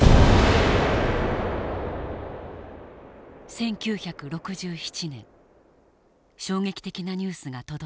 １９６７年衝撃的なニュースが届いた。